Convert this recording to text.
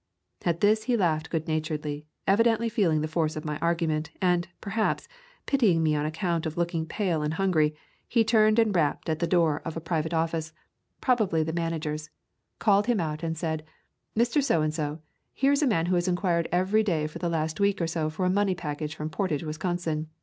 At this he laughed good naturedly, evidently feeling the force of my argument, and, perhaps, pitying me on account of looking pale and hungry, he turned and rapped at the door of [ 80 ] Camping among the Tombs a private office — probably the Manager's — called him out and said, "Mr. So and So, here is a man who has inquired every day for the last week or so for a money package from Por tage, Wisconsin.